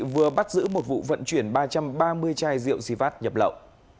vừa bắt giữ một vụ vận chuyển ba trăm ba mươi chai rượu xivat nhập lậu